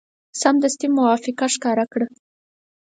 سمدستي موافقه ښکاره کړه.